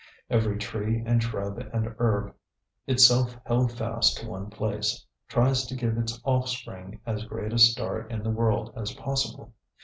Every tree and shrub and herb, itself held fast to one place, tries to give its offspring as great a start in the world as possible.